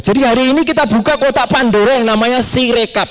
jadi hari ini kita buka kotak pandora yang namanya sireqab